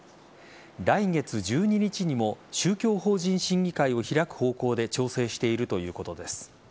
来月１２日にも宗教法人審議会を開く方向で調整しているということです。